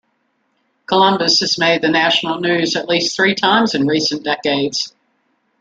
Columbus has made the national news at least three times in recent decades.